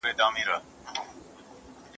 هدیره دي د غلیم سه ماته مه ګوره قبرونه